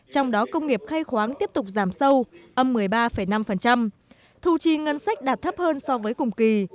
trong đó công nghiệp khai khoáng tiếp tục giảm sâu âm một mươi ba năm thu chi ngân sách đạt thấp hơn so với cùng kỳ